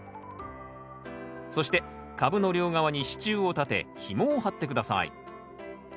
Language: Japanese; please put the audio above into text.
そして株の両側に支柱を立てひもを張って下さい。